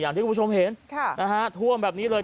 อย่างที่คุณผู้ชมเห็นค่ะนะฮะท่วมแบบนี้เลย